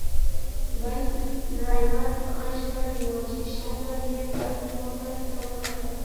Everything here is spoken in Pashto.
بل ډریور غږ کړی و چې ښځه یې بل موټر ته وخوته.